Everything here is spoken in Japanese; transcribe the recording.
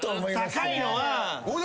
高いのは。